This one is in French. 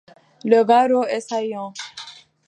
Le garrot est saillant.